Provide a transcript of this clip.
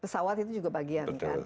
pesawat itu juga bagian kan